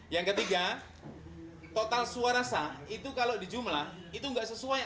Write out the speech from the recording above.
yang ketiga total suara sah itu kalau dijumlah itu nggak sesuai